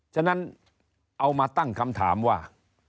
ฉะนั้นเอามาตั้งคำถามว่า